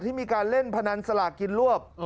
ที่มีการเล่นพนันสลากกินรวบ